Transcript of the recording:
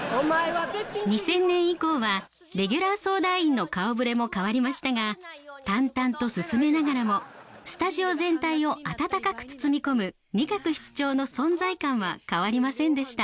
２０００年以降はレギュラー相談員の顔ぶれも変わりましたが淡々と進めながらもスタジオ全体を温かく包み込む仁鶴室長の存在感は変わりませんでした。